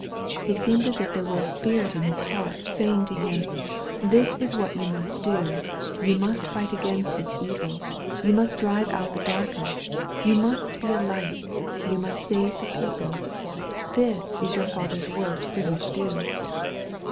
It seemed as if there were a spirit in his heart saying to him, *'This is what you must do, you must fight against this evil, you must drive out the darkness, you must be a light, you must save the people — ^this is your Father's work for you to do."